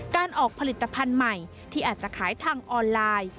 การออกผลิตภัณฑ์ใหม่ที่อาจจะขายทางออนไลน์